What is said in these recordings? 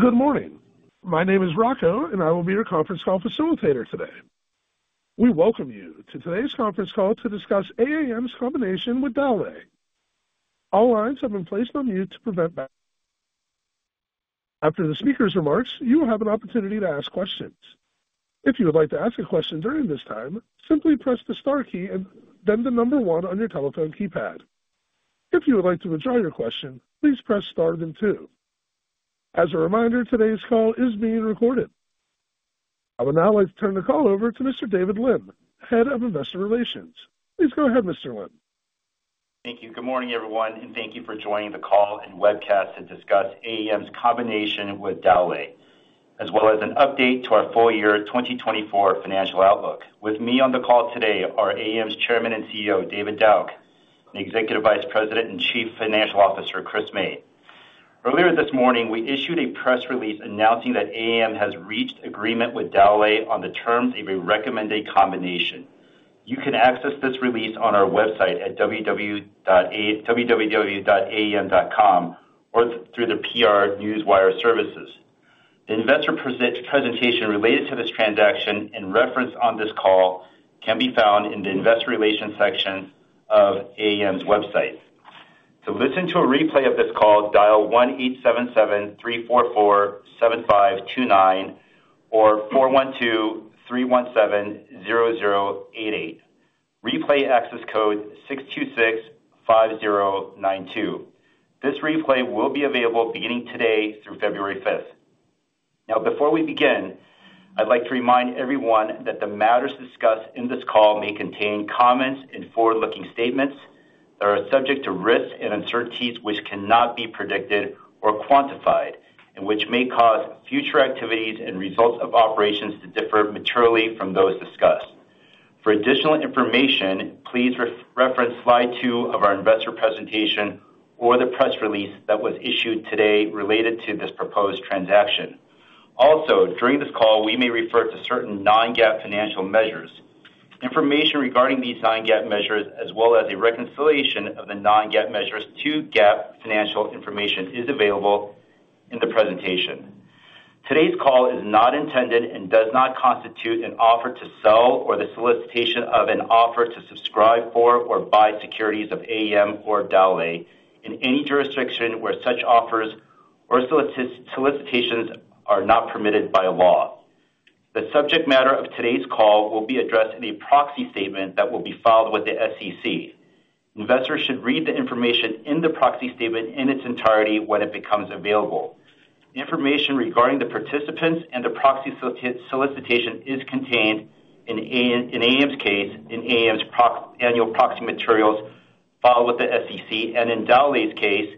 Good morning. My name is Rocco and I will be your conference call facilitator today. We welcome you to today's conference call to discuss AAM's combination with Dowlais. All lines have been placed on mute to prevent background noise. After the speaker's remarks, you will have an opportunity to ask questions. If you would like to ask a question during this time, simply press the star key and then the number one on your telephone keypad. If you would like to withdraw your question, please press star then two. As a reminder, today's call is being recorded. I would now like to turn the call over to Mr. David Lim, Head of Investor Relations. Please go ahead, Mr. Lim. Thank you. Good morning, everyone, and thank you for joining the call and webcast to discuss AAM's combination with Dowlais, as well as an update to our full year 2024 financial outlook. With me on the call today are AAM's Chairman and CEO, David Dauch, and Executive Vice President and Chief Financial Officer, Chris May. Earlier this morning, we issued a press release announcing that AAM has reached agreement with Dowlais on the terms of a recommended combination. You can access this release on our website at www.aam.com or through the PR Newswire services. The investor presentation related to this transaction and reference on this call can be found in the investor relations section of AAM's website. To listen to a replay of this call, dial 1-877-344-7529 or 412-317-0088. Replay access code 6265092. This replay will be available beginning today through February 5th. Now, before we begin, I'd like to remind everyone that the matters discussed in this call may contain comments and forward-looking statements that are subject to risks and uncertainties which cannot be predicted or quantified, and which may cause future activities and results of operations to differ materially from those discussed. For additional information, please reference slide two of our investor presentation or the press release that was issued today related to this proposed transaction. Also, during this call, we may refer to certain non-GAAP financial measures. Information regarding these non-GAAP measures, as well as a reconciliation of the non-GAAP measures to GAAP financial information, is available in the presentation. Today's call is not intended and does not constitute an offer to sell or the solicitation of an offer to subscribe for or buy securities of AAM or Dowlais in any jurisdiction where such offers or solicitations are not permitted by law. The subject matter of today's call will be addressed in a proxy statement that will be filed with the SEC. Investors should read the information in the proxy statement in its entirety when it becomes available. Information regarding the participants and the proxy solicitation is contained in AAM's case, in AAM's annual proxy materials, filed with the SEC, and in Dowlais's case,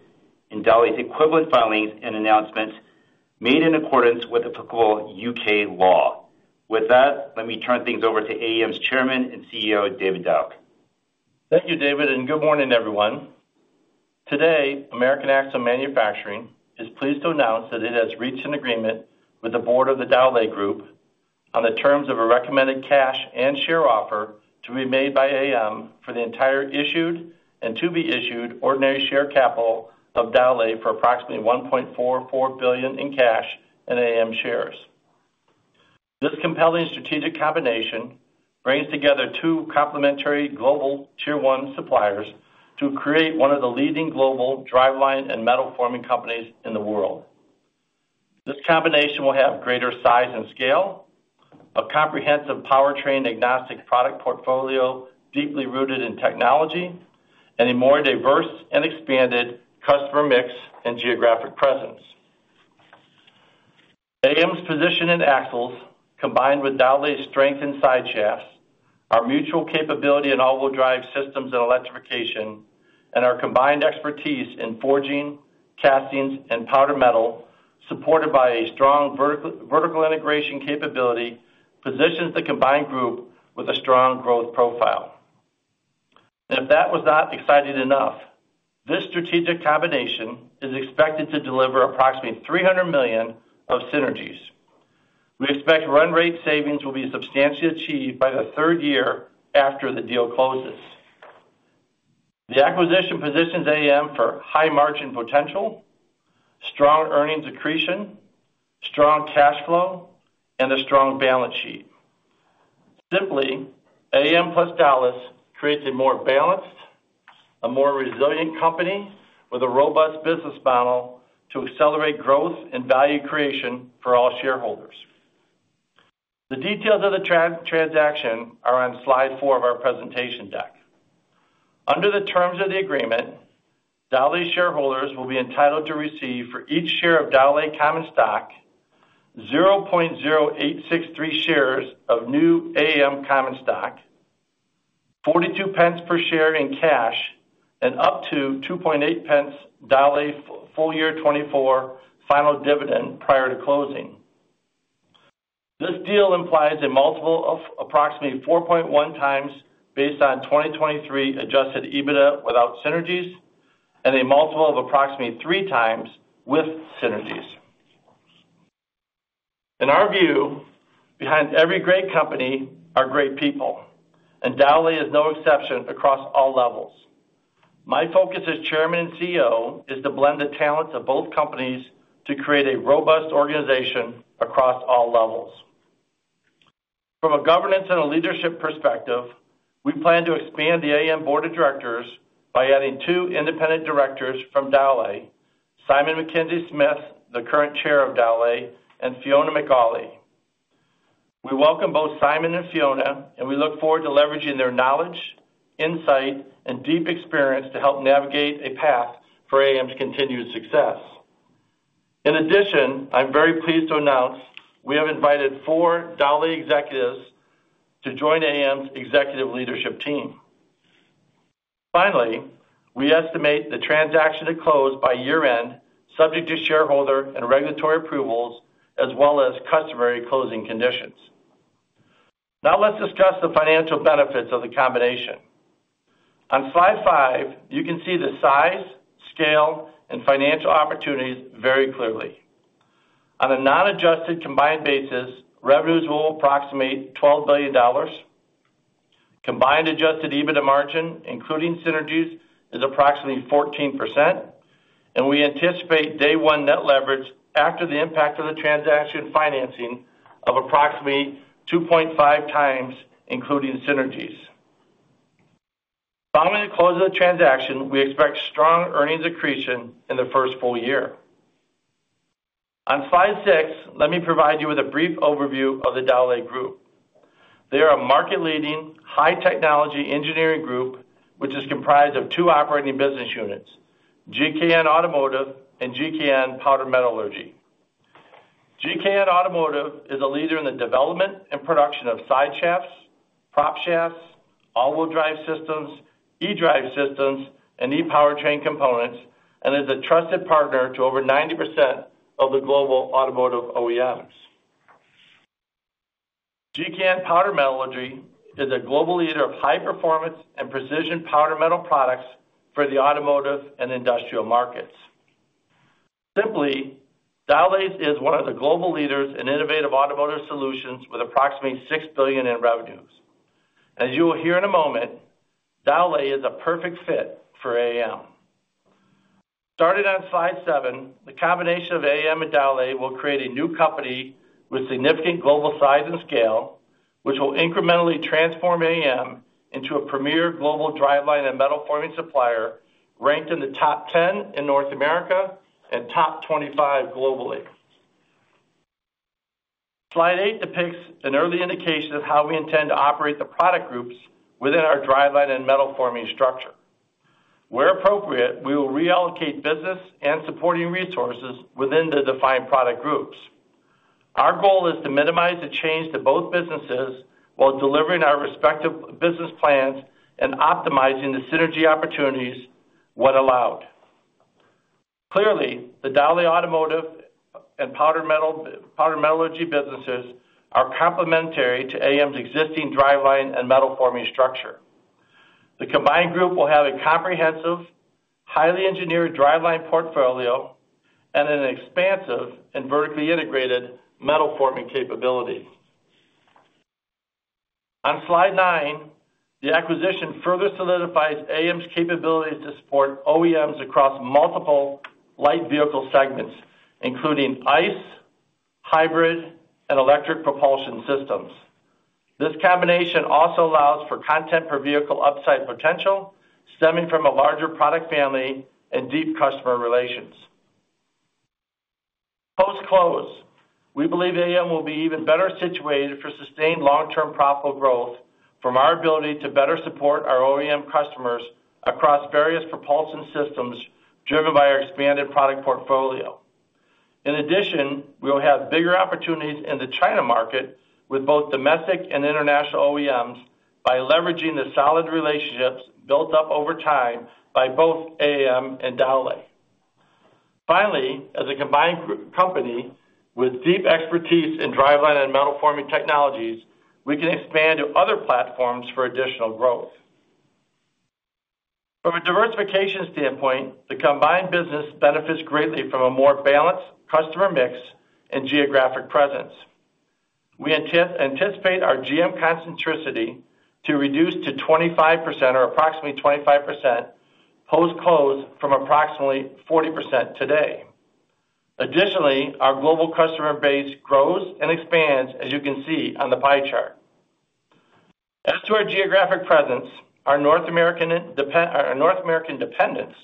in Dowlais's equivalent filings and announcements made in accordance with applicable U.K. law. With that, let me turn things over to AAM's Chairman and CEO, David Dauch. Thank you, David, and good morning, everyone. Today, American Axle & Manufacturing is pleased to announce that it has reached an agreement with the board of the Dowlais Group on the terms of a recommended cash and share offer to be made by AAM for the entire issued and to be issued ordinary share capital of Dowlais for approximately $1.44 billion in cash and AAM shares. This compelling strategic combination brings together two complementary global Tier 1 suppliers to create one of the leading global driveline and metal forming companies in the world. This combination will have greater size and scale, a comprehensive powertrain agnostic product portfolio deeply rooted in technology, and a more diverse and expanded customer mix and geographic presence. AAM's position in axles, combined with Dowlais's strength in sideshafts, our mutual capability in all-wheel drive systems and electrification, and our combined expertise in forging, castings, and powder metal, supported by a strong vertical integration capability, positions the combined group with a strong growth profile. And if that was not exciting enough, this strategic combination is expected to deliver approximately $300 million of synergies. We expect run rate savings will be substantially achieved by the third year after the deal closes. The acquisition positions AAM for high margin potential, strong earnings accretion, strong cash flow, and a strong balance sheet. Simply, AAM plus Dowlais creates a more balanced, a more resilient company with a robust business model to accelerate growth and value creation for all shareholders. The details of the transaction are on slide four of our presentation deck. Under the terms of the agreement, Dowlais shareholders will be entitled to receive for each share of Dowlais common stock, 0.0863 shares of new AAM common stock, GBP 0.42 per share in cash, and up to 0.028 Dowlais full year 2024 final dividend prior to closing. This deal implies a multiple of approximately 4.1 times based on 2023 Adjusted EBITDA without synergies, and a multiple of approximately three times with synergies. In our view, behind every great company are great people, and Dowlais is no exception across all levels. My focus as Chairman and CEO is to blend the talents of both companies to create a robust organization across all levels. From a governance and a leadership perspective, we plan to expand the AAM board of directors by adding two independent directors from Dowlais, Simon Mackenzie Smith, the current chair of Dowlais, and Fiona MacAulay. We welcome both Simon and Fiona, and we look forward to leveraging their knowledge, insight, and deep experience to help navigate a path for AAM's continued success. In addition, I'm very pleased to announce we have invited four Dowlais executives to join AAM's executive leadership team. Finally, we estimate the transaction to close by year-end, subject to shareholder and regulatory approvals, as well as customary closing conditions. Now let's discuss the financial benefits of the combination. On slide five, you can see the size, scale, and financial opportunities very clearly. On a non-adjusted combined basis, revenues will approximate $12 billion. Combined adjusted EBITDA margin, including synergies, is approximately 14%, and we anticipate day one net leverage after the impact of the transaction financing of approximately 2.5 times, including synergies. Following the close of the transaction, we expect strong earnings accretion in the first full year. On slide six, let me provide you with a brief overview of the Dowlais Group. They are a market-leading high-technology engineering group, which is comprised of two operating business units, GKN Automotive and GKN Powder Metallurgy. GKN Automotive is a leader in the development and production of sideshafts, propshafts, all-wheel drive systems, eDrive systems, and ePowertrain components, and is a trusted partner to over 90% of the global automotive OEMs. GKN Powder Metallurgy is a global leader of high-performance and precision powder metal products for the automotive and industrial markets. Simply, Dowlais is one of the global leaders in innovative automotive solutions with approximately 6 billion in revenues. As you will hear in a moment, Dowlais is a perfect fit for AAM. Starting on Slide seven, the combination of AAM and Dowlais will create a new company with significant global size and scale, which will incrementally transform AAM into a premier global driveline and metal forming supplier ranked in the top 10 in North America and top 25 globally. Slide eight depicts an early indication of how we intend to operate the product groups within our driveline and metal forming structure. Where appropriate, we will reallocate business and supporting resources within the defined product groups. Our goal is to minimize the change to both businesses while delivering our respective business plans and optimizing the synergy opportunities when allowed. Clearly, the Dowlais automotive and powder metallurgy businesses are complementary to AAM's existing driveline and metal forming structure. The combined group will have a comprehensive, highly engineered driveline portfolio and an expansive and vertically integrated metal forming capability. On slide nine, the acquisition further solidifies AAM's capabilities to support OEMs across multiple light vehicle segments, including ICE, hybrid, and electric propulsion systems. This combination also allows for content per vehicle upside potential stemming from a larger product family and deep customer relations. Post-close, we believe AAM will be even better situated for sustained long-term profitable growth from our ability to better support our OEM customers across various propulsion systems driven by our expanded product portfolio. In addition, we will have bigger opportunities in the China market with both domestic and international OEMs by leveraging the solid relationships built up over time by both AAM and Dowlais. Finally, as a combined company with deep expertise in driveline and metal forming technologies, we can expand to other platforms for additional growth. From a diversification standpoint, the combined business benefits greatly from a more balanced customer mix and geographic presence. We anticipate our GM concentration to reduce to 25% or approximately 25% post-close from approximately 40% today. Additionally, our global customer base grows and expands, as you can see on the pie chart. As to our geographic presence, our North American dependence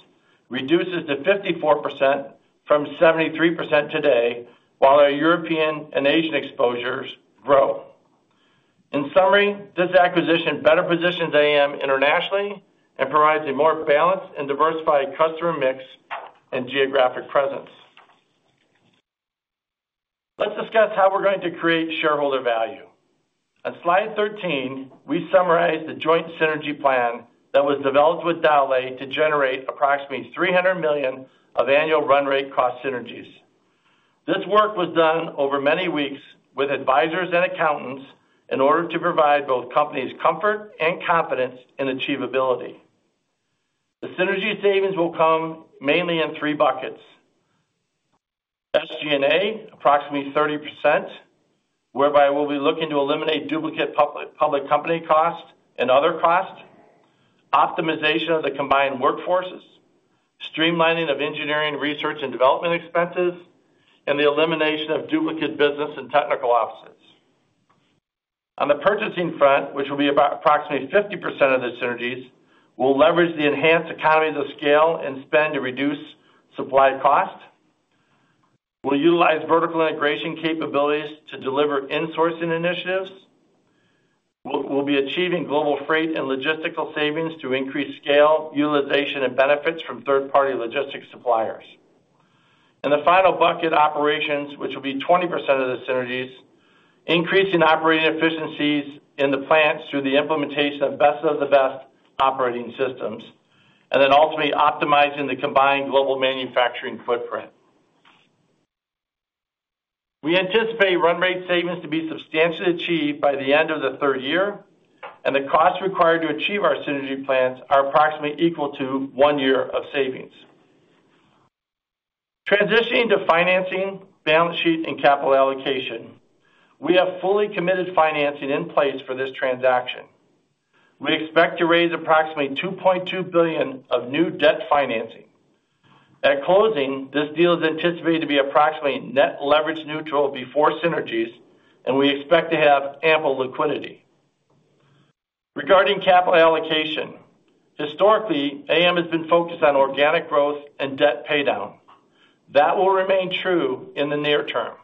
reduces to 54% from 73% today, while our European and Asian exposures grow. In summary, this acquisition better positions AAM internationally and provides a more balanced and diversified customer mix and geographic presence. Let's discuss how we're going to create shareholder value. On slide 13, we summarize the joint synergy plan that was developed with Dowlais to generate approximately $300 million of annual run rate cost synergies. This work was done over many weeks with advisors and accountants in order to provide both companies comfort and confidence in achievability. The synergy savings will come mainly in three buckets. SG&A, approximately 30%, whereby we'll be looking to eliminate duplicate public company costs and other costs, optimization of the combined workforces, streamlining of engineering, research, and development expenses, and the elimination of duplicate business and technical offices. On the purchasing front, which will be approximately 50% of the synergies, we'll leverage the enhanced economies of scale and spend to reduce supply costs. We'll utilize vertical integration capabilities to deliver insourcing initiatives. We'll be achieving global freight and logistical savings to increase scale, utilization, and benefits from third-party logistics suppliers. The final bucket, operations, which will be 20% of the synergies, increasing operating efficiencies in the plants through the implementation of best of the best operating systems, and then ultimately optimizing the combined global manufacturing footprint. We anticipate run rate savings to be substantially achieved by the end of the third year, and the costs required to achieve our synergy plans are approximately equal to one year of savings. Transitioning to financing, balance sheet, and capital allocation, we have fully committed financing in place for this transaction. We expect to raise approximately $2.2 billion of new debt financing. At closing, this deal is anticipated to be approximately net leverage neutral before synergies, and we expect to have ample liquidity. Regarding capital allocation, historically, AAM has been focused on organic growth and debt paydown. That will remain true in the near term.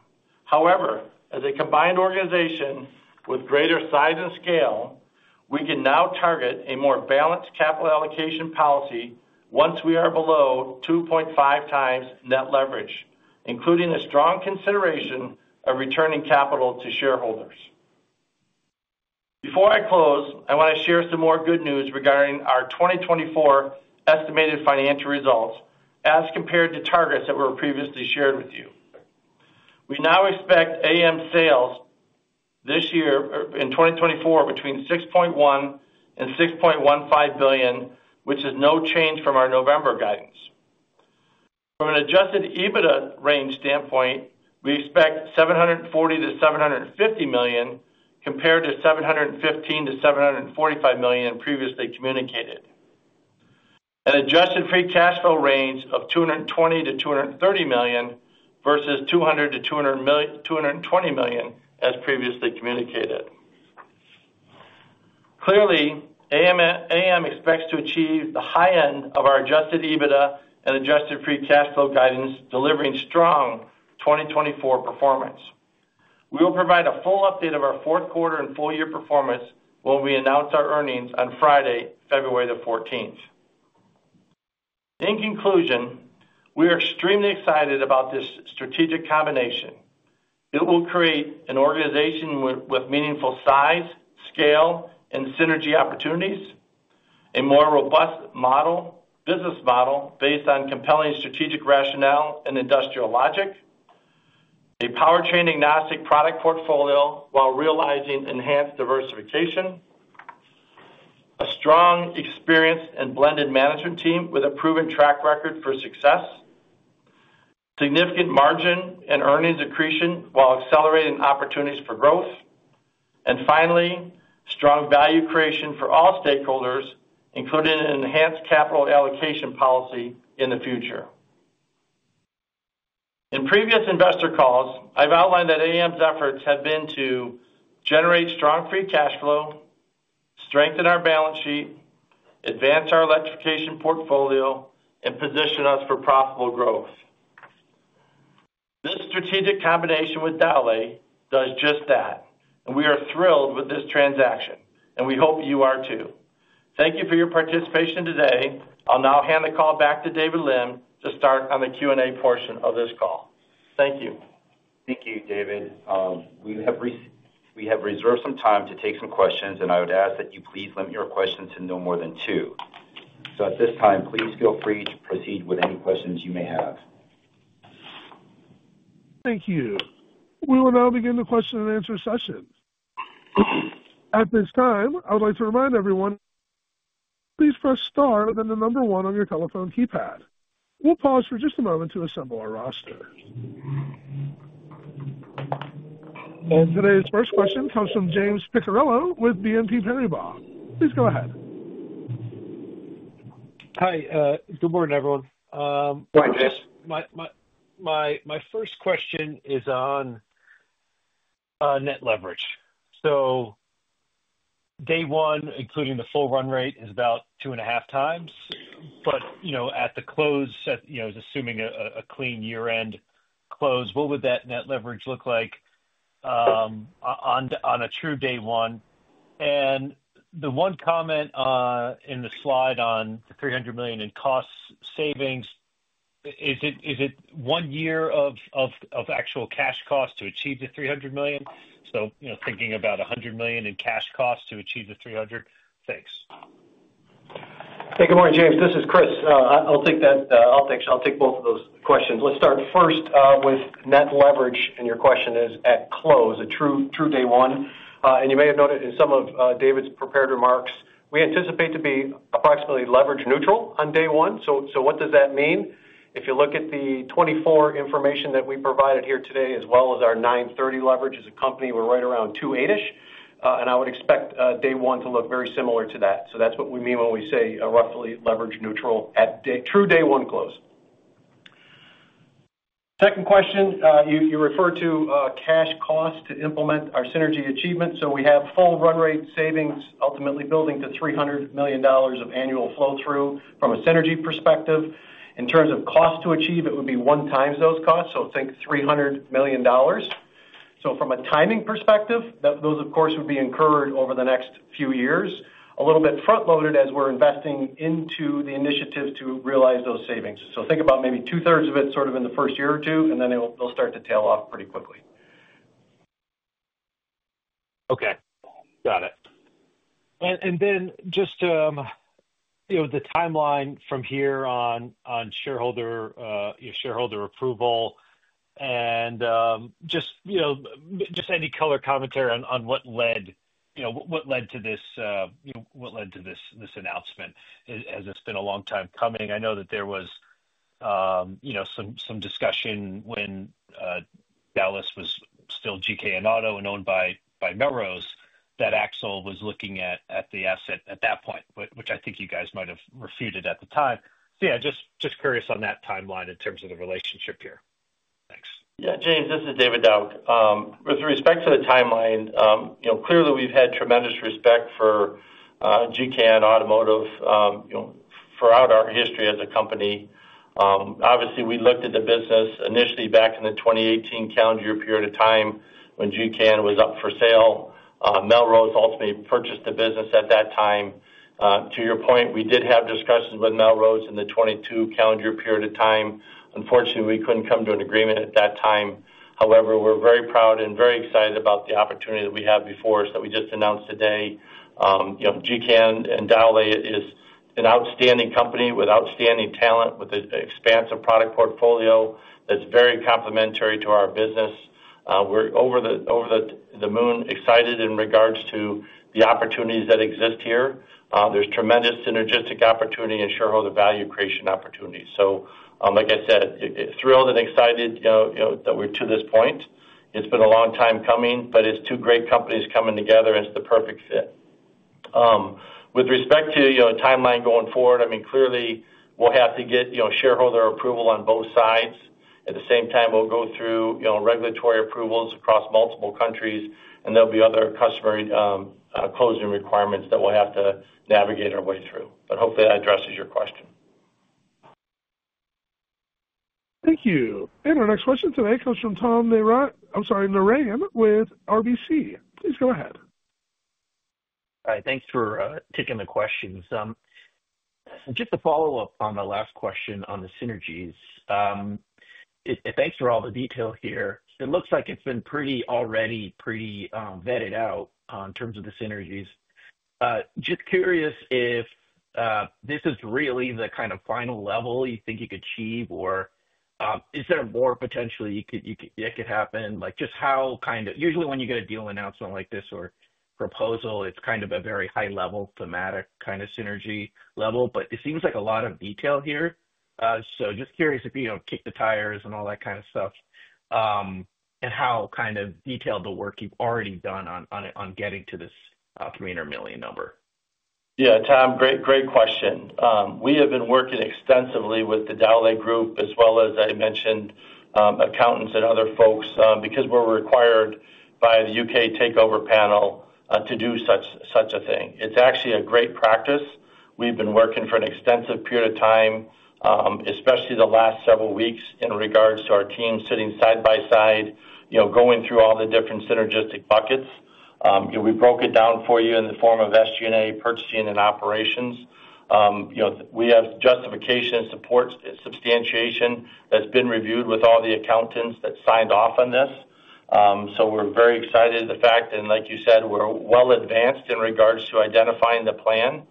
However, as a combined organization with greater size and scale, we can now target a more balanced capital allocation policy once we are below 2.5 times net leverage, including a strong consideration of returning capital to shareholders. Before I close, I want to share some more good news regarding our 2024 estimated financial results as compared to targets that were previously shared with you. We now expect AAM sales this year in 2024 between $6.1 billion-$6.15 billion, which is no change from our November guidance. From an adjusted EBITDA range standpoint, we expect $740 million-$750 million compared to $715 million-$745 million previously communicated, an Adjusted Free Cash Flow range of $220 million-$230 million versus $200 million-$220 million as previously communicated. Clearly, AAM expects to achieve the high end of our adjusted EBITDA and Adjusted Free Cash Flow guidance, delivering strong 2024 performance. We will provide a full update of our fourth quarter and full year performance when we announce our earnings on Friday, February the 14th. In conclusion, we are extremely excited about this strategic combination. It will create an organization with meaningful size, scale, and synergy opportunities, a more robust business model based on compelling strategic rationale and industrial logic, a powertrain agnostic product portfolio while realizing enhanced diversification, a strong experienced and blended management team with a proven track record for success, significant margin and earnings accretion while accelerating opportunities for growth, and finally, strong value creation for all stakeholders, including an enhanced capital allocation policy in the future. In previous investor calls, I've outlined that AAM's efforts have been to generate strong free cash flow, strengthen our balance sheet, advance our electrification portfolio, and position us for profitable growth. This strategic combination with Dowlais does just that, and we are thrilled with this transaction, and we hope you are too. Thank you for your participation today. I'll now hand the call back to David Lim to start on the Q&A portion of this call. Thank you. Thank you, David. We have reserved some time to take some questions, and I would ask that you please limit your questions to no more than two. So at this time, please feel free to proceed with any questions you may have. Thank you. We will now begin the question and answer session. At this time, I would like to remind everyone, please press star and then the number one on your telephone keypad. We'll pause for just a moment to assemble our roster. And today's first question comes from James Picariello with BNP Paribas. Please go ahead. Hi. Good morning, everyone. Good morning, James. My first question is on net leverage. So day one, including the full run rate, is about two and a half times. But at the close, assuming a clean year-end close, what would that net leverage look like on a true day one? And the one comment in the slide on the $300 million in cost savings, is it one year of actual cash cost to achieve the $300 million? So thinking about $100 million in cash cost to achieve the $300 million, thanks. Hey, good morning, James. This is Chris. I'll take both of those questions. Let's start first with net leverage, and your question is at close, a true day one. And you may have noted in some of David's prepared remarks, we anticipate to be approximately leverage neutral on day one. So what does that mean? If you look at the 2024 information that we provided here today, as well as our 9/30 leverage, as a company, we're right around 2.80-ish. And I would expect day one to look very similar to that. So that's what we mean when we say roughly leverage neutral at true day one close. Second question, you referred to cash cost to implement our synergy achievement. So we have full run rate savings, ultimately building to $300 million of annual flow-through from a synergy perspective. In terms of cost to achieve, it would be one time those costs. So think $300 million. So from a timing perspective, those, of course, would be incurred over the next few years, a little bit front-loaded as we're investing into the initiative to realize those savings. So think about maybe two-thirds of it sort of in the first year or two, and then they'll start to tail off pretty quickly. Okay. Got it. And then just the timeline from here on shareholder approval and just any color commentary on what led to this, what led to this announcement, as it's been a long time coming. I know that there was some discussion when Dowlais was still GKN Automotive and owned by Melrose that Axle was looking at the asset at that point, which I think you guys might have refuted at the time. So yeah, just curious on that timeline in terms of the relationship here. Thanks. Yeah, James, this is David Dauch. With respect to the timeline, clearly we've had tremendous respect for GKN Automotive throughout our history as a company. Obviously, we looked at the business initially back in the 2018 calendar year period of time when GKN Automotive was up for sale. Melrose ultimately purchased the business at that time. To your point, we did have discussions with Melrose in the 2022 calendar year period of time. Unfortunately, we couldn't come to an agreement at that time. However, we're very proud and very excited about the opportunity that we had before us that we just announced today. GKN Automotive is an outstanding company with outstanding talent, with an expansive product portfolio that's very complementary to our business. We're over the moon excited in regards to the opportunities that exist here. There's tremendous synergistic opportunity and shareholder value creation opportunities. So like I said, thrilled and excited that we're to this point. It's been a long time coming, but it's two great companies coming together, and it's the perfect fit. With respect to timeline going forward, I mean, clearly we'll have to get shareholder approval on both sides. At the same time, we'll go through regulatory approvals across multiple countries, and there'll be other customer closing requirements that we'll have to navigate our way through. But hopefully, that addresses your question. Thank you. And our next question today comes from Tom Narayan with RBC. Please go ahead. All right. Thanks for taking the questions. Just to follow up on the last question on the synergies, thanks for all the detail here. It looks like it's been already pretty vetted out in terms of the synergies. Just curious if this is really the kind of final level you think you could achieve, or is there more potentially it could happen? Just how kind of usually when you get a deal announcement like this or proposal, it's kind of a very high-level thematic kind of synergy level, but it seems like a lot of detail here. So, just curious if you kick the tires and all that kind of stuff and how kind of detailed the work you've already done on getting to this $300 million number. Yeah, Tom, great question. We have been working extensively with the Dowlais Group, as well as, as I mentioned, accountants and other folks because we're required by the U.K. Takeover Panel to do such a thing. It's actually a great practice. We've been working for an extensive period of time, especially the last several weeks, in regards to our team sitting side by side, going through all the different synergistic buckets. We broke it down for you in the form of SG&A, purchasing, and operations. We have justification, support, and substantiation that's been reviewed with all the accountants that signed off on this. So we're very excited of the fact. And like you said, we're well advanced in regards to identifying the plan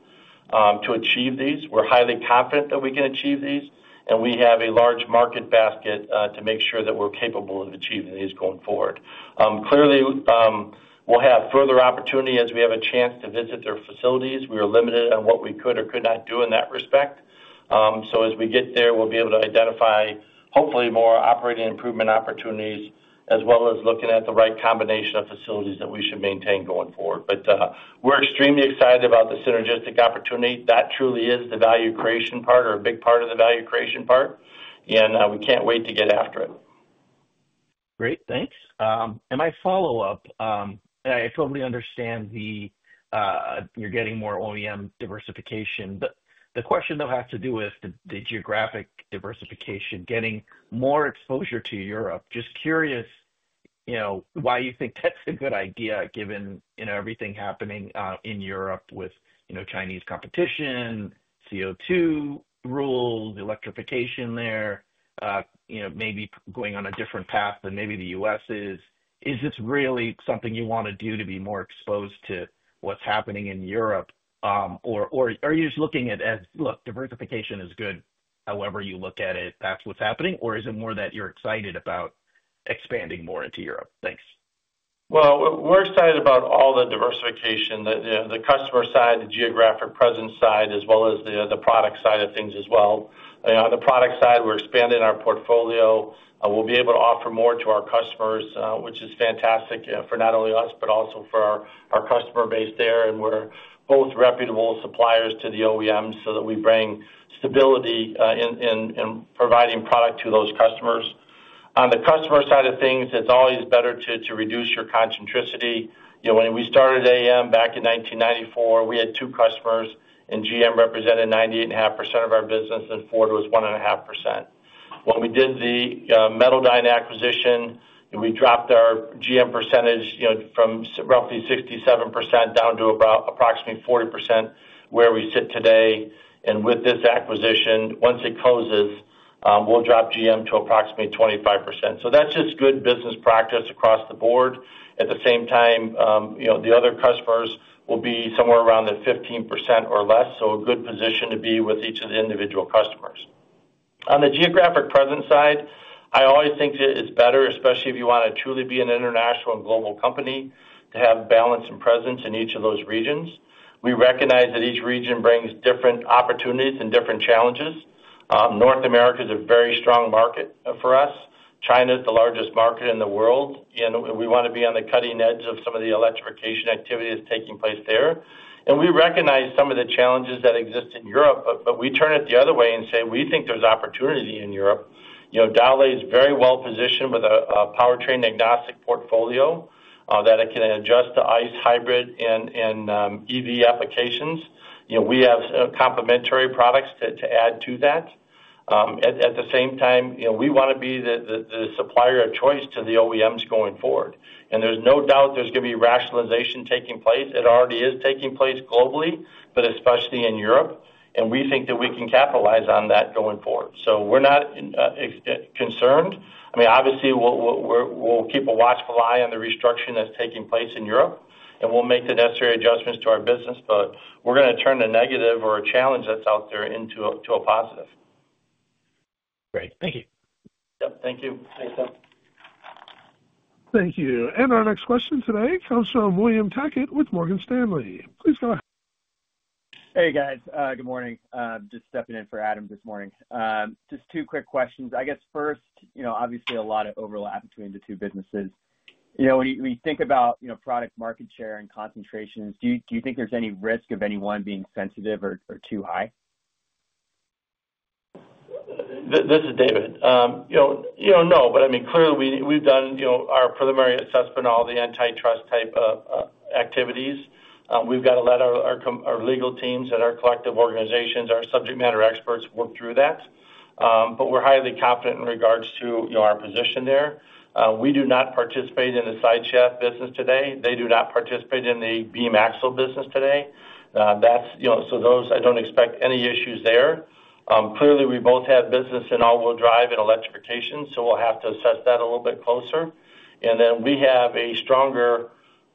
to achieve these. We're highly confident that we can achieve these, and we have a large market basket to make sure that we're capable of achieving these going forward. Clearly, we'll have further opportunity as we have a chance to visit their facilities. We were limited on what we could or could not do in that respect. So as we get there, we'll be able to identify, hopefully, more operating improvement opportunities, as well as looking at the right combination of facilities that we should maintain going forward. But we're extremely excited about the synergistic opportunity. That truly is the value creation part or a big part of the value creation part, and we can't wait to get after it. Great. Thanks. And my follow-up, I totally understand you're getting more OEM diversification. The question, though, has to do with the geographic diversification, getting more exposure to Europe. Just curious why you think that's a good idea given everything happening in Europe with Chinese competition, CO2 rules, electrification there, maybe going on a different path than maybe the U.S. is. Is this really something you want to do to be more exposed to what's happening in Europe, or are you just looking at, "Look, diversification is good," however you look at it, that's what's happening? Or is it more that you're excited about expanding more into Europe? Thanks. Well, we're excited about all the diversification, the customer side, the geographic presence side, as well as the product side of things as well. On the product side, we're expanding our portfolio. We'll be able to offer more to our customers, which is fantastic for not only us, but also for our customer base there. And we're both reputable suppliers to the OEMs so that we bring stability in providing product to those customers. On the customer side of things, it's always better to reduce your concentration. When we started AAM back in 1994, we had two customers, and GM represented 98.5% of our business, and Ford was 1.5%. When we did the Metaldyne acquisition, we dropped our GM percentage from roughly 67% down to approximately 40% where we sit today. And with this acquisition, once it closes, we'll drop GM to approximately 25%. So that's just good business practice across the board. At the same time, the other customers will be somewhere around the 15% or less, so a good position to be with each of the individual customers. On the geographic presence side, I always think it's better, especially if you want to truly be an international and global company, to have balance and presence in each of those regions. We recognize that each region brings different opportunities and different challenges. North America is a very strong market for us. China is the largest market in the world, and we want to be on the cutting edge of some of the electrification activity that's taking place there, and we recognize some of the challenges that exist in Europe, but we turn it the other way and say we think there's opportunity in Europe. Dowlais is very well positioned with a powertrain agnostic portfolio that it can adjust to ICE, hybrid, and EV applications. We have complementary products to add to that. At the same time, we want to be the supplier of choice to the OEMs going forward. There's no doubt there's going to be rationalization taking place. It already is taking place globally, but especially in Europe. We think that we can capitalize on that going forward. So we're not concerned. I mean, obviously, we'll keep a watchful eye on the restructuring that's taking place in Europe, and we'll make the necessary adjustments to our business, but we're going to turn a negative or a challenge that's out there into a positive. Great. Thank you. Yep. Thank you. Thanks, Tom. Thank you. Our next question today comes from William Tackett with Morgan Stanley. Please go ahead. Hey, guys. Good morning. Just stepping in for Adam this morning. Just two quick questions. I guess first, obviously, a lot of overlap between the two businesses. When you think about product market share and concentrations, do you think there's any risk of any one being sensitive or too high? This is David. No, but I mean, clearly, we've done our preliminary assessment, all the antitrust type activities. We've got to let our legal teams and our collective organizations, our subject matter experts work through that. But we're highly confident in regards to our position there. We do not participate in the side shaft business today. They do not participate in the beam axle business today. So those, I don't expect any issues there. Clearly, we both have business in all-wheel drive and electrification, so we'll have to assess that a little bit closer. And then we have a stronger,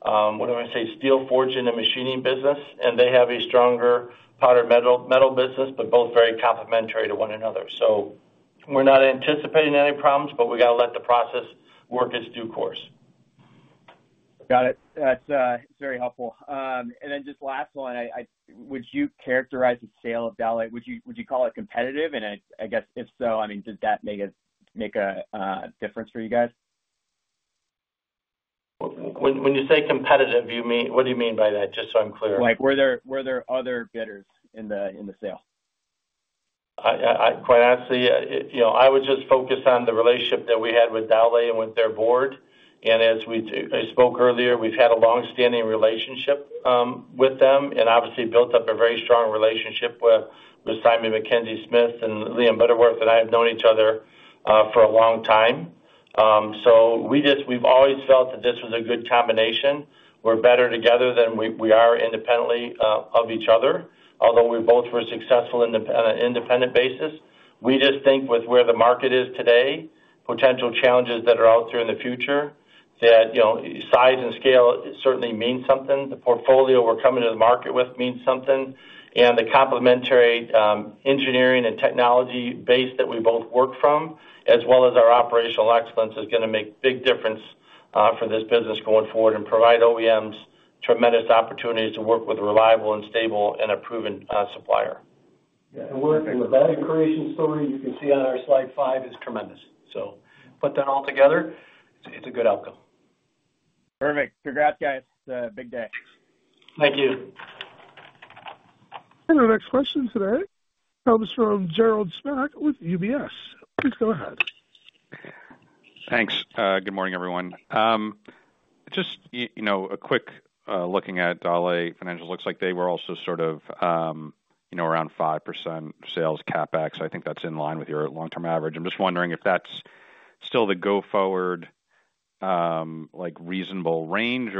what do I say, steel forging and machining business, and they have a stronger powdered metal business, but both very complementary to one another. So we're not anticipating any problems, but we got to let the process work in due course. Got it. That's very helpful. And then just last one, would you characterize the sale of Dowlais? Would you call it competitive? And I guess if so, I mean, does that make a difference for you guys? When you say competitive, what do you mean by that? Just so I'm clear. Like were there other bidders in the sale? Quite honestly, I would just focus on the relationship that we had with Dowlais and with their board. And as I spoke earlier, we've had a long-standing relationship with them and obviously built up a very strong relationship with Simon Mackenzie Smith and Liam Butterworth, and I have known each other for a long time. So we've always felt that this was a good combination. We're better together than we are independently of each other, although we both were successful on an independent basis. We just think with where the market is today, potential challenges that are out there in the future, that size and scale certainly mean something. The portfolio we're coming to the market with means something, and the complementary engineering and technology base that we both work from, as well as our operational excellence, is going to make a big difference for this business going forward and provide OEMs tremendous opportunities to work with a reliable and stable and a proven supplier. Yeah. The value creation story you can see on our slide five is tremendous. So put that all together. It's a good outcome. Perfect. Congrats, guys. It's a big day. Thank you. And our next question today comes from Joe Spak with UBS. Please go ahead. Thanks. Good morning, everyone. Just a quick looking at Dowlais financials, looks like they were also sort of around 5% sales CapEx. I think that's in line with your long-term average. I'm just wondering if that's still the go-forward reasonable range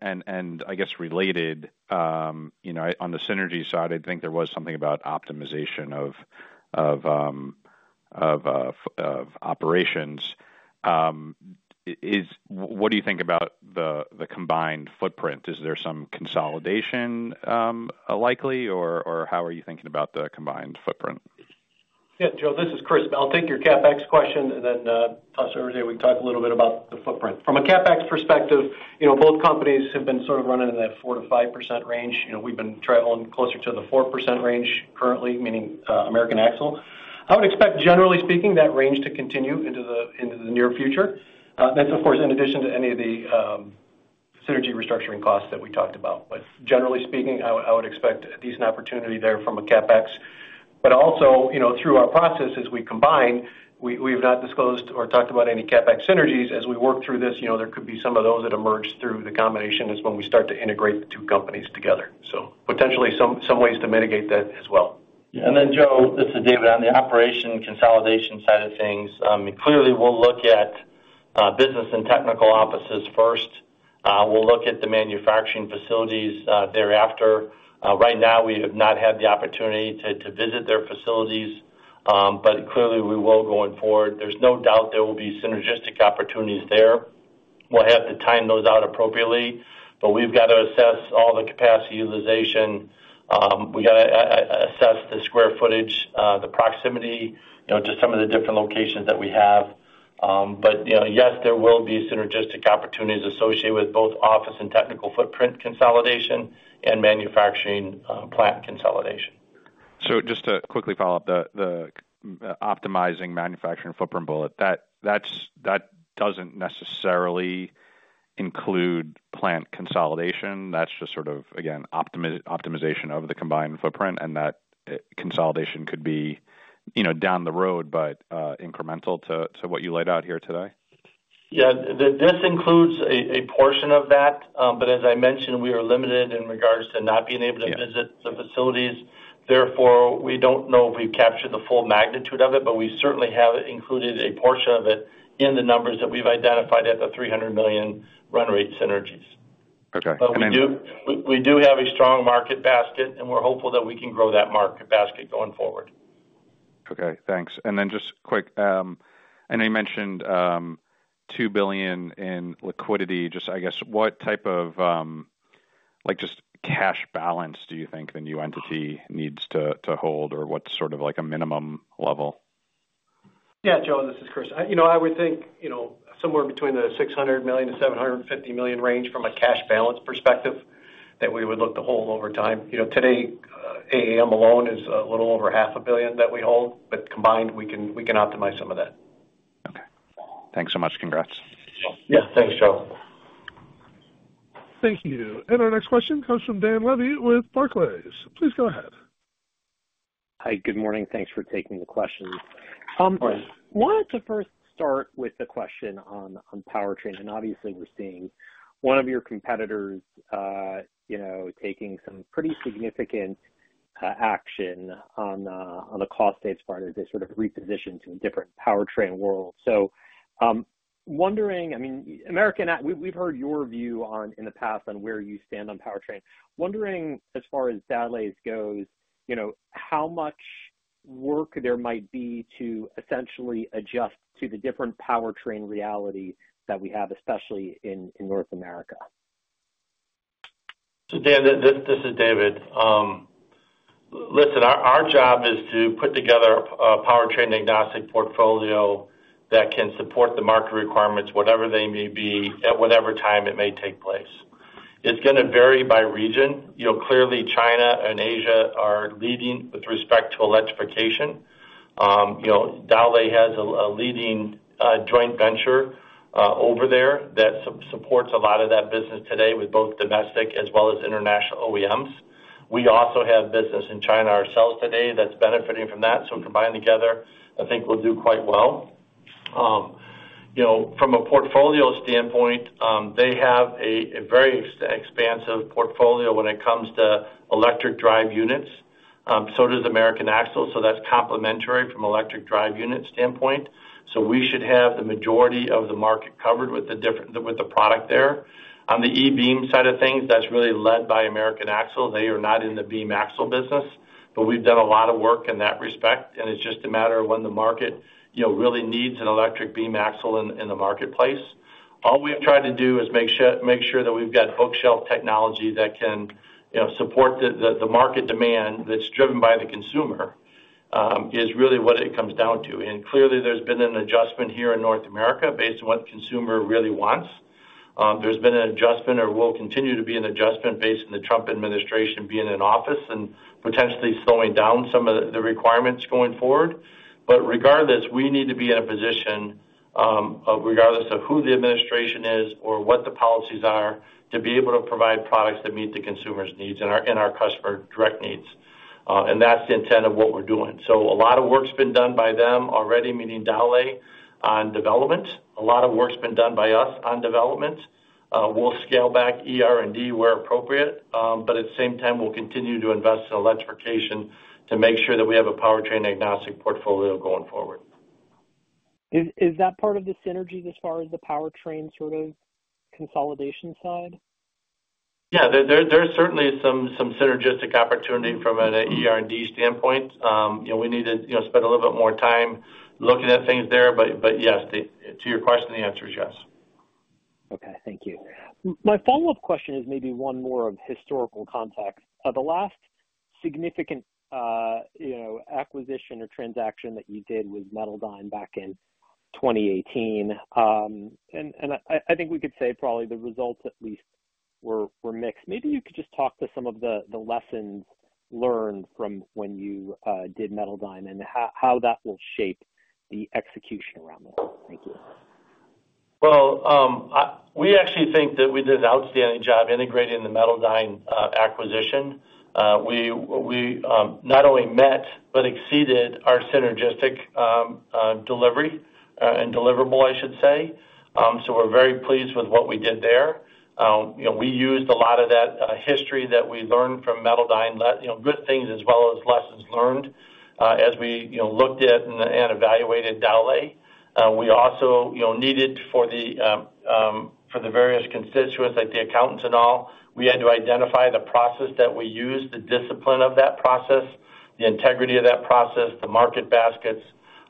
and, I guess, related. On the synergy side, I think there was something about optimization of operations. What do you think about the combined footprint? Is there some consolidation likely, or how are you thinking about the combined footprint? Yeah. Joe, this is Chris. I'll take your CapEx question and then toss it over to you. We can talk a little bit about the footprint. From a CapEx perspective, both companies have been sort of running in that 4%-5% range. We've been traveling closer to the 4% range currently, meaning American Axle. I would expect, generally speaking, that range to continue into the near future. That's, of course, in addition to any of the synergy restructuring costs that we talked about. But generally speaking, I would expect a decent opportunity there from a CapEx. But also, through our process, as we combine, we have not disclosed or talked about any CapEx synergies. As we work through this, there could be some of those that emerge through the combination as when we start to integrate the two companies together. So potentially some ways to mitigate that as well. Yeah. And then, Joe, this is David. On the operational consolidation side of things, clearly, we'll look at business and technical offices first. We'll look at the manufacturing facilities thereafter. Right now, we have not had the opportunity to visit their facilities, but clearly, we will going forward. There's no doubt there will be synergistic opportunities there. We'll have to time those out appropriately, but we've got to assess all the capacity utilization. We got to assess the square footage, the proximity to some of the different locations that we have. But yes, there will be synergistic opportunities associated with both office and technical footprint consolidation and manufacturing plant consolidation. So just to quickly follow up, the optimizing manufacturing footprint bullet, that doesn't necessarily include plant consolidation. That's just sort of, again, optimization of the combined footprint, and that consolidation could be down the road, but incremental to what you laid out here today. Yeah. This includes a portion of that. But as I mentioned, we are limited in regards to not being able to visit the facilities. Therefore, we don't know if we've captured the full magnitude of it, but we certainly have included a portion of it in the numbers that we've identified at the $300 million run rate synergies. But we do have a strong market basket, and we're hopeful that we can grow that market basket going forward. Okay. Thanks. And then just quick, I know you mentioned $2 billion in liquidity. Just, I guess, what type of just cash balance do you think the new entity needs to hold, or what's sort of like a minimum level? Yeah. Joe, this is Chris. I would think somewhere between the $600 million-$750 million range from a cash balance perspective that we would look to hold over time. Today, AAM alone is a little over $500 million that we hold, but combined, we can optimize some of that. Okay. Thanks so much. Congrats. Yeah. Thanks, Joe. Thank you. And our next question comes from Dan Levy with Barclays. Please go ahead. Hi. Good morning. Thanks for taking the question. I wanted to first start with the question on powertrain. And obviously, we're seeing one of your competitors taking some pretty significant action on the cost-based part as they sort of reposition to a different powertrain world. So I mean, we've heard your view in the past on where you stand on powertrain. Wondering, as far as Dauch goes, how much work there might be to essentially adjust to the different powertrain reality that we have, especially in North America? This is David. Listen, our job is to put together a powertrain agnostic portfolio that can support the market requirements, whatever they may be, at whatever time it may take place. It's going to vary by region. Clearly, China and Asia are leading with respect to electrification. Dauch has a leading joint venture over there that supports a lot of that business today with both domestic as well as international OEMs. We also have business in China ourselves today that's benefiting from that. So combined together, I think we'll do quite well. From a portfolio standpoint, they have a very expansive portfolio when it comes to electric drive units. So does American Axle. So that's complementary from an electric drive unit standpoint. So we should have the majority of the market covered with the product there. On the e-Beam side of things, that's really led by American Axle. They are not in the beam axle business, but we've done a lot of work in that respect. And it's just a matter of when the market really needs an electric beam axle in the marketplace. All we've tried to do is make sure that we've got bookshelf technology that can support the market demand that's driven by the consumer is really what it comes down to, and clearly, there's been an adjustment here in North America based on what the consumer really wants. There's been an adjustment, or will continue to be an adjustment based on the Trump administration being in office and potentially slowing down some of the requirements going forward, but regardless, we need to be in a position regardless of who the administration is or what the policies are to be able to provide products that meet the consumer's needs and our customer direct needs. And that's the intent of what we're doing, so a lot of work's been done by them already, meaning Dauch on development. A lot of work's been done by us on development. We'll scale back ER&D where appropriate, but at the same time, we'll continue to invest in electrification to make sure that we have a powertrain agnostic portfolio going forward. Is that part of the synergy as far as the powertrain sort of consolidation side? Yeah. There's certainly some synergistic opportunity from an ER&D standpoint. We need to spend a little bit more time looking at things there. But yes, to your question, the answer is yes. Okay. Thank you. My follow-up question is maybe one more of historical context. The last significant acquisition or transaction that you did was Metaldyne back in 2018. And I think we could say probably the results at least were mixed. Maybe you could just talk to some of the lessons learned from when you did Metaldyne and how that will shape the execution around this. Thank you. We actually think that we did an outstanding job integrating the Metaldyne acquisition. We not only met, but exceeded our synergistic delivery and deliverable, I should say. We're very pleased with what we did there. We used a lot of that history that we learned from Metaldyne, good things as well as lessons learned as we looked at and evaluated Dowlais. We also needed for the various constituents, like the accountants and all, we had to identify the process that we used, the discipline of that process, the integrity of that process, the market baskets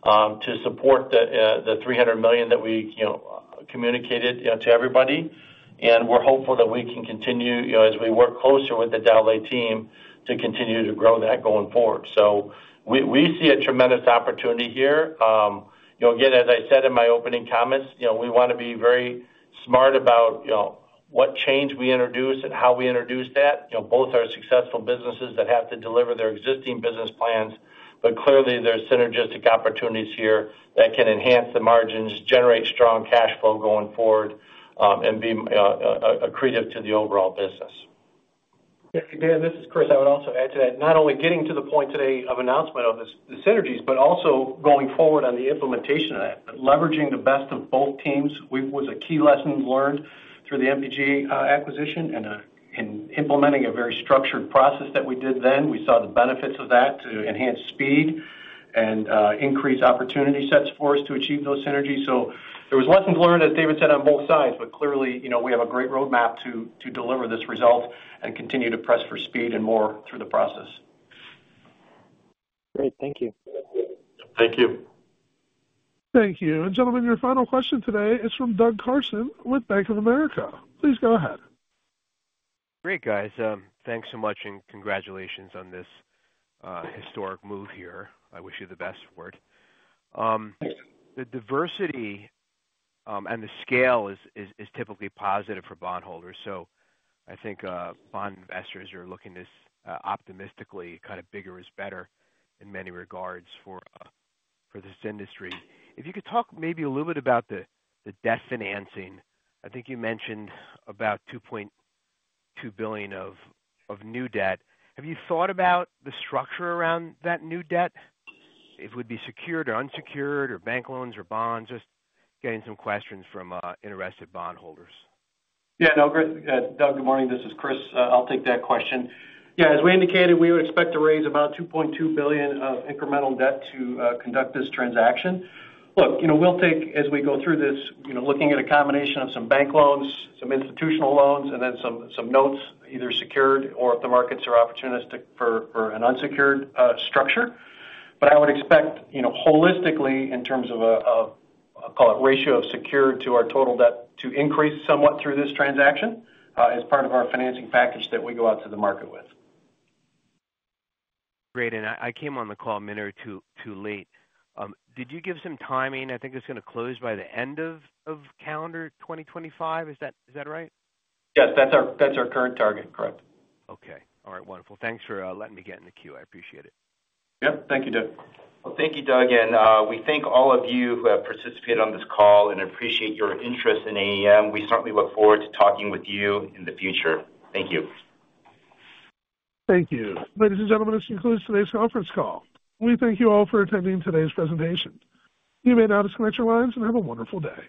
to support the $300 million that we communicated to everybody. We're hopeful that we can continue as we work closer with the Dowlais team to continue to grow that going forward. We see a tremendous opportunity here. Again, as I said in my opening comments, we want to be very smart about what change we introduce and how we introduce that. Both are successful businesses that have to deliver their existing business plans, but clearly, there are synergistic opportunities here that can enhance the margins, generate strong cash flow going forward, and be accretive to the overall business. Yeah, and Dan, this is Chris. I would also add to that, not only getting to the point today of announcement of the synergies, but also going forward on the implementation of that, leveraging the best of both teams was a key lesson learned through the MPG acquisition and implementing a very structured process that we did then. We saw the benefits of that to enhance speed and increase opportunity sets for us to achieve those synergies. So there were lessons learned, as David said, on both sides, but clearly, we have a great roadmap to deliver this result and continue to press for speed and more through the process. Great. Thank you. Thank you. Thank you. And gentlemen, your final question today is from Doug Carson with Bank of America. Please go ahead. Great, guys. Thanks so much and congratulations on this historic move here. I wish you the best for it. The diversity and the scale is typically positive for bondholders. So I think bond investors are looking to optimistically kind of bigger is better in many regards for this industry. If you could talk maybe a little bit about the debt financing. I think you mentioned about $2.2 billion of new debt. Have you thought about the structure around that new debt? If it would be secured or unsecured or bank loans or bonds, just getting some questions from interested bondholders. Yeah. Doug, good morning. This is Chris. I'll take that question. Yeah. As we indicated, we would expect to raise about $2.2 billion of incremental debt to conduct this transaction. Look, we'll take as we go through this, looking at a combination of some bank loans, some institutional loans, and then some notes, either secured or if the markets are opportunistic for an unsecured structure. But I would expect holistically in terms of a, I'll call it, ratio of secured to our total debt to increase somewhat through this transaction as part of our financing package that we go out to the market with. Great. And I came on the call a minute or two late. Did you give some timing? I think it's going to close by the end of calendar 2025. Is that right? Yes. That's our current target. Correct. Okay. All right. Wonderful. Thanks for letting me get in the queue. I appreciate it. Yep. Thank you, Doug. Well, thank you, Doug. And we thank all of you who have participated on this call and appreciate your interest in AAM. We certainly look forward to talking with you in the future. Thank you. Thank you. Ladies and gentlemen, this concludes today's conference call. We thank you all for attending today's presentation. You may now disconnect your lines and have a wonderful day.